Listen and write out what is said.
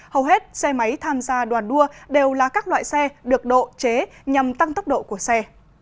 hầu hết xe máy tham gia đoàn đua đều là các loại xe được độ chế nhằm tăng tốc độ của xe